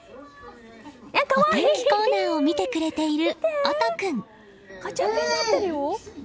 お天気コーナーを見てくれている央橙君。